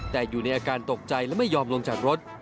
แต่อยู่ในอาการตกใจและไม่ยอมลงจากรถ